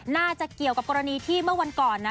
น่าจะเกี่ยวกับกรณีที่เมื่อวันก่อนนะ